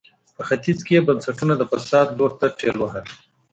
په ختیځ کې یې بنسټونه د فساد لور ته ټېل وهل.